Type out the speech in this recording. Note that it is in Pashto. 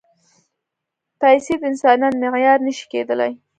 پېسې د انسانیت معیار نه شي کېدای.